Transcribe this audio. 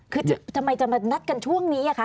คือทำไมจะมานัดกันช่วงนี้คะ